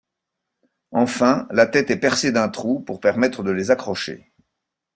Enfin, la tête est percée d'un trou pour permettre de les accrocher.